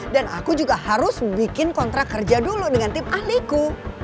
dan aku juga harus bikin kontrak kerja dulu dengan tim ahliku